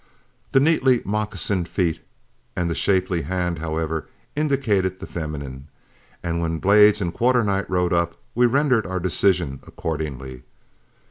The neatly moccasined feet and the shapely hand, however, indicated the feminine, and when Blades and Quarter night rode up, we rendered our decision accordingly.